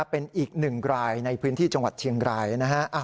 เป็นอีกหนึ่งรายในพื้นที่จังหวัดเชียงรายนะฮะ